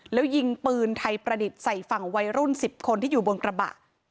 แล้วยิงปืนไทยประดิษฐ์ใส่ฝั่งวัยรุ่น๑๐คนที่อยู่บนกระบะ